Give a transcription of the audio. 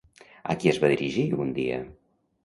A qui es va dirigir, un dia?